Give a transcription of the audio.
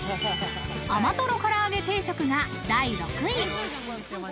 甘とろから揚げ定食が第６位。